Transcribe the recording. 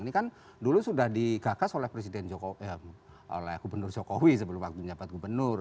ini kan dulu sudah digagas oleh presiden jokowi eh oleh gubernur jokowi sebelum wakil jabat gubernur